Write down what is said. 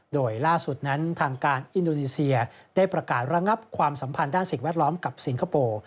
โดยล่าสุดนั้นทางการอินโดนีเซียได้ประกาศระงับความสัมพันธ์ด้านสิ่งแวดล้อมกับสิงคโปร์